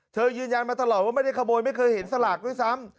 ยืนยันมาตลอดว่าไม่ได้ขโมยไม่เคยเห็นสลากด้วยซ้ำ